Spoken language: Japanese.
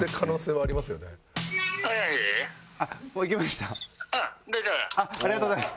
ありがとうございます。